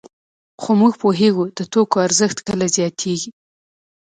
خو موږ پوهېږو د توکو ارزښت کله زیاتېږي